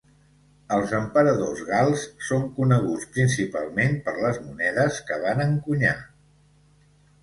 Els emperadors gals son coneguts principalment per les monedes que van encunyar.